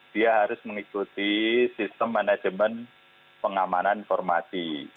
dia harus mengikuti sistem manajemen pengamanan informasi